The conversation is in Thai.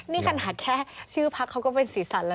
นี่กันหาแค่ชื่อพรรคเขาก็เป็นสีสันแล้วนะ